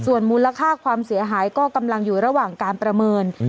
ส่วนมูลค่าความเสียหายก็กำลังอยู่ระหว่างการประเมิน